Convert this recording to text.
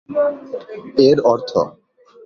এর অর্থ,